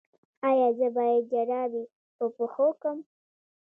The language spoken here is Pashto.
ایا زه باید جرابې په پښو کړم؟